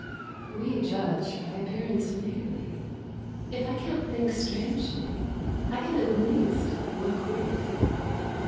WE judge by appearance merely : If I can't think strangely, I can at least look queerly.